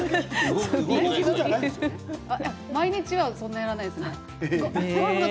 毎日は、そんなにやらないですね。